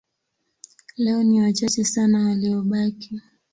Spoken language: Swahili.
Leo ni wachache sana waliobaki.